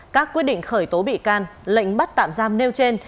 các quyết định khởi tố bị can lệnh bắt tạm giam nêu trên